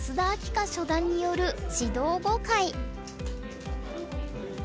夏初段による指導碁会。